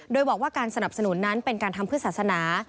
โดยบอกว่าการสนับสนุนนั้นเป็นการทำเพื่อศาสนา